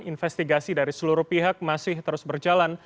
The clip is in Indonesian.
investigasi dari seluruh pihak masih terus berjalan